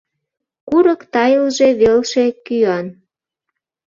Курык тайылже велше кӱан.